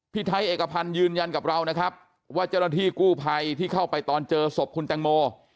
ไทยเอกพันธ์ยืนยันกับเรานะครับว่าเจ้าหน้าที่กู้ภัยที่เข้าไปตอนเจอศพคุณแตงโม